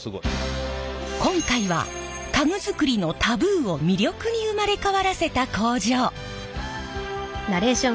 今回は家具作りのタブーを魅力に生まれ変わらせた工場。